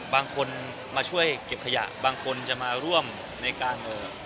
บางคนมาช่วยเก็บขยะบางคนจะมาร่วมในการเอ่อ